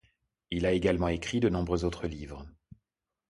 Il a également écrit de nombreux autres livres.